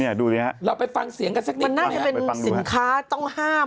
ดูสิฮะเราไปฟังเสียงกันสักนิดน่าจะเป็นสินค้าต้องห้าม